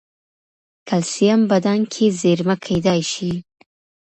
کلسیم بدن کې زېرمه کېدای شي.